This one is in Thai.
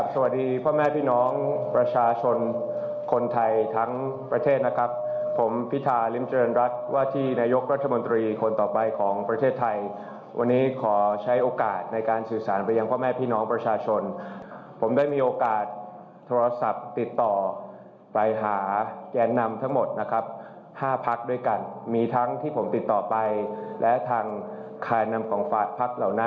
สวัสดีพ่อแม่พี่น้องประชาชนคนไทยทั้งประเทศนะครับผมพิธาริมเจริญรัฐว่าที่นายกรัฐมนตรีคนต่อไปของประเทศไทยวันนี้ขอใช้โอกาสในการสื่อสารไปยังพ่อแม่พี่น้องประชาชนผมได้มีโอกาสโทรศัพท์ติดต่อไปหาแกนนำทั้งหมดนะครับห้าพักด้วยกันมีทั้งที่ผมติดต่อไปและทางคลายนำของฝากพักเหล่านะ